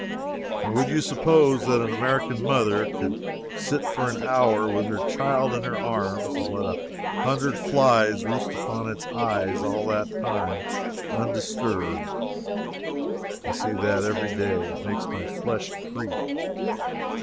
And, would you suppose that an American mother could sit for an hour, with her child in her arms, and let a hundred flies roost upon its eyes all that time undisturbed? I see that every day. It makes my flesh creep.